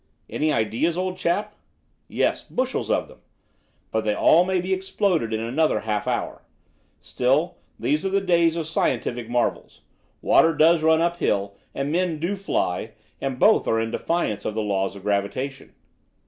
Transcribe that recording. "Any ideas, old chap?" "Yes, bushels of them. But they all may be exploded in another half hour. Still, these are the days of scientific marvels. Water does run uphill and men do fly, and both are in defiance of the laws of gravitation."